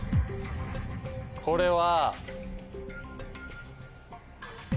これは。